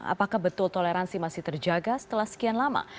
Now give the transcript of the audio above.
apakah betul toleransi masih terjaga setelah sekian lama